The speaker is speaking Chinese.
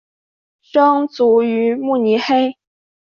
生卒于慕尼黑。